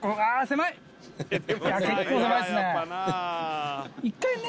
結構狭いっすね。